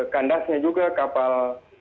kandasnya juga kapal